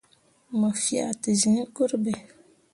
Mo fea te zẽẽ gurɓe.